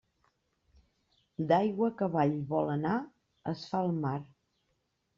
D'aigua que avall vol anar, es fa el mar.